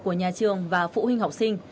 của nhà trường và phụ huynh học sinh